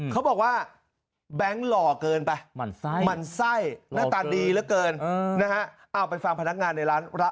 เขาบอกว่าแบงค์หล่อเกินไป